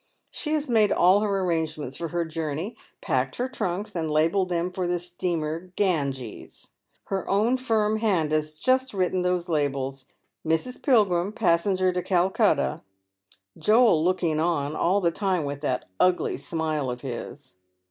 She has made all her arrange ments for her journey, packed her trunks, and labelled them ior the steamer Ganges. Her own firm hand has written those labels — Mrs. Pilgrim, passenger to Calcutta — Joel looking on all tha time with that ugly smile of his.